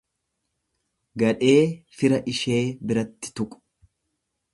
Gadhee fira ishee biratti tuqu.